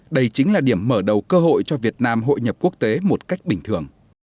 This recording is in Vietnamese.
đây chính là điểm mở đầu cơ hội cho việt nam hội nhập quốc tế một cách bình thường